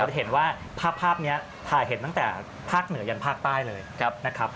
จะเห็นว่าภาพนี้ถ่ายเห็นตั้งแต่ภาคเหนือยันภาคใต้เลยนะครับ